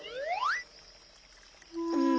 うん。